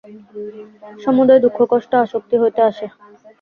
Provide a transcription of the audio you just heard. সমুদয় দুঃখ-কষ্ট আসক্তি হইতে আসে।